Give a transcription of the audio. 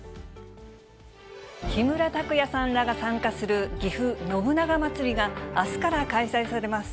木村拓哉さんらが参加する、ぎふ信長まつりがあすから開催されます。